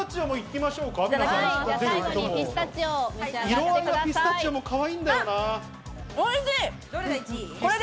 色合いはピスタチオもかわいいんだよな。